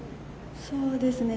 そうですね。